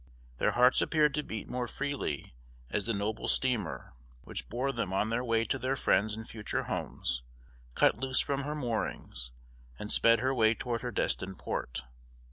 Their hearts appeared to beat more freely as the noble steamer, which bore them on their way to their friends and future homes, cut loose from her moorings and sped her way toward her destined port.